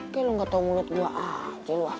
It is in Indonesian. kayaknya lo gak tau mulut gue aja lo